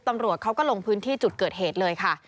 ตำรวจเขาก็ลงพื้นที่จุดเกิดเหตุเลยค่ะ